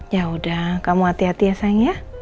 yaudah kamu hati hati ya sayang ya